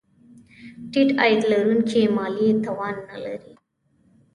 ټیټ عاید لرونکي مالي توان نه لري.